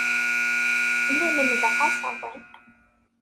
La lemmdeɣ aẓawan.